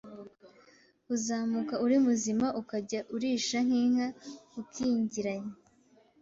uzamuka uri muzima ukajya urisha nk’inka ukingiranye